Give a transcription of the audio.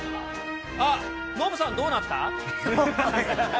あ、ノブさん、どうだった？